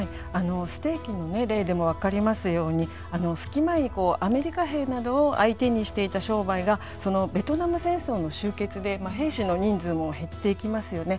ステーキの例でも分かりますように復帰前にアメリカ兵などを相手にしていた商売がベトナム戦争の終結で兵士の人数も減っていきますよね。